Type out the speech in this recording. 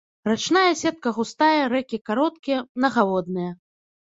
Рачная сетка густая, рэкі кароткія, мнагаводныя.